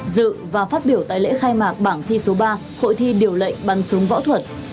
dự và phát biểu tại lễ khai mạc bảng thi số ba hội thi điều lệnh bắn súng võ thuật